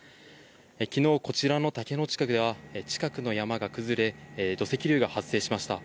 きのうこちらの竹野地区では近くの山が崩れ、土石流が発生しました。